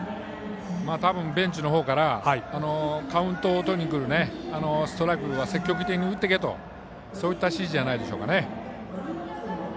多分、ベンチのほうからカウントをとりにくるストライクは積極的に打っていけとそういった指示じゃないでしょうか。